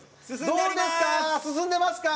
どうですか？